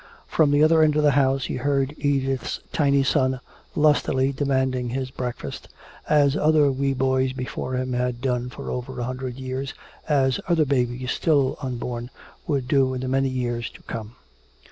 From the other end of the house he heard Edith's tiny son lustily demanding his breakfast, as other wee boys before him had done for over a hundred years, as other babies still unborn would do in the many years to come.